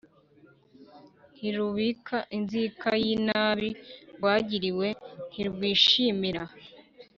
Ntirubika inzika y inabi rwagiriwe Ntirwishimira